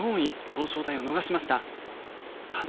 表彰台を逃しました。